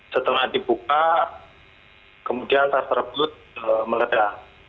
setelah dibuka kemudian tas tersebut meledak